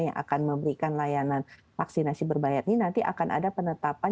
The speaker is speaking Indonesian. yang akan memberikan layanan vaksinasi berbayar ini nanti akan ada penetapan